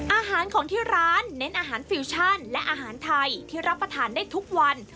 อาหารของที่ร้านเน้นอาหารฟิวชั่นและอาหารไทยที่รับประทานได้ทุกวัน